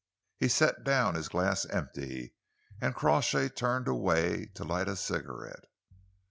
He set down his glass empty and Crawshay turned away to light a cigarette.